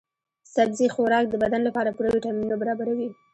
سبزي خوراک د بدن لپاره پوره ويټامینونه برابروي.